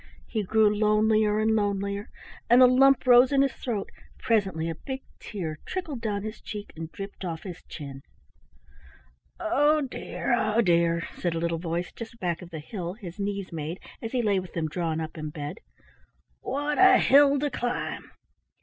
He grew lonelier and lonelier and a lump rose in his throat; presently a big tear trickled down his cheek and dripped off his chin. "Oh dear, oh dear!" said a little voice just back of the hill his knees made as he lay with them drawn up in bed; "what a hill to climb!"